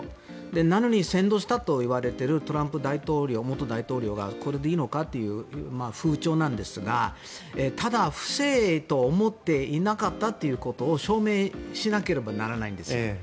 なのに、扇動したといわれているトランプ元大統領がこれでいいのかという風潮なんですがただ、不正と思っていなかったということを証明しなければならないんですよ。